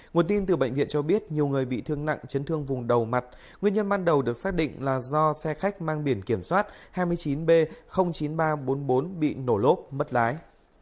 nguồn tin từ bệnh viện cho biết nhiều người bị thương nặng chấn thương vùng đầu mặt nguyên nhân ban đầu được xác định là do xe khách mang biển kiểm soát hai mươi chín b chín nghìn ba trăm bốn mươi bốn bị nổ lốp mất lái